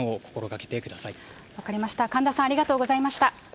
分かりました、神田さん、ありがとうございました。